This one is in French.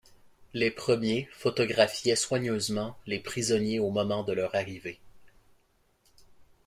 Les premiers photographiaient soigneusement les prisonniers au moment de leur arrivée.